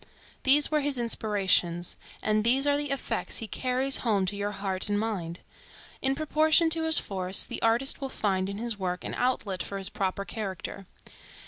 These were his inspirations, and these are the effects he carries home to your heart and mind. In proportion to his force, the artist will find in his work an outlet for his proper character.